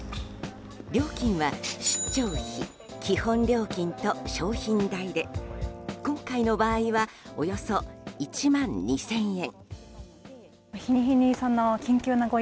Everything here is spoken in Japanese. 料金は出張費・基本料金と商品代で今回の場合はおよそ１万２０００円。